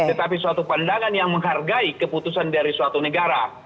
tetapi suatu pandangan yang menghargai keputusan dari suatu negara